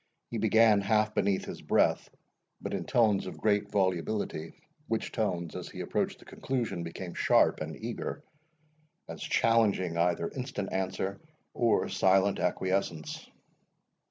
He began half beneath his breath, but in tones of great volubility, which tones, as he approached the conclusion, became sharp and eager, as challenging either instant answer or silent acquiescence.